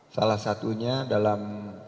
salah satunya dalam